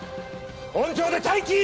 本庁で待機！